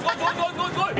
すごい、すごい！